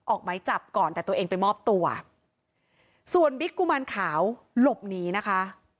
ออกไหมจับก่อนแต่ตัวเองไปมอบตัวส่วนบิ๊กกุมารขาวหลบหนีนะคะ